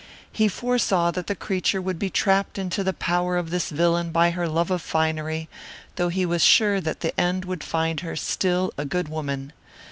He foresaw that the creature would be trapped into the power of this villain by her love of finery, though he was sure that the end would find her still a good woman.